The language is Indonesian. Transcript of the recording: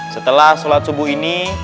setelah sholat subuh ini